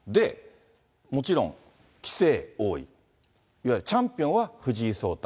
もちろん棋聖・王位、いわゆるチャンピオンは藤井聡太